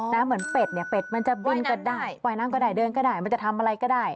เหมือนเป็ดเนี่ยเป็ดมันจะบินก็ได้ปล่อยน้ำก็ได้เดินก็ได้มันจะทำอะไรก็ได้